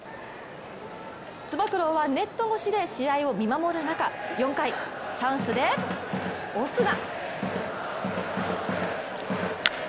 つば九郎はネット越しで試合を見守る中、４回、チャンスでオスナ。